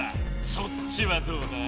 そっちはどうだ？